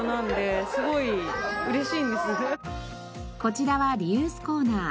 こちらはリユースコーナー。